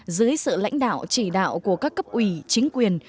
dưới sự lãnh đạo chỉ đạo của các cấp ủy chính quyền